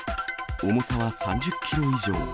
重さは３０キロ以上。